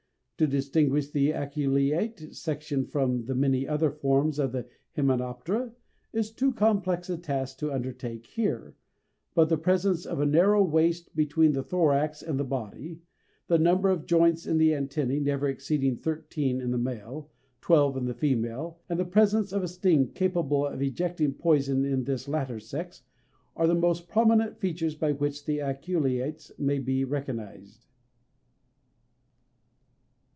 To distinguish the aculeate section from the many other forms of the Hymenoptera is too complex a task to undertake here, but the presence of a narrow waist between the thorax and the body, the number of joints in the antennæ never exceeding thirteen in the male, twelve in the female, and the presence of a sting capable of ejecting poison in this latter sex, are the most prominent features by which the aculeates may be recognized.